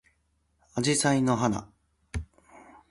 あじさいの花